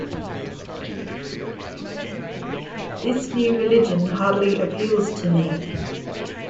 This new religion hardly appeals to me.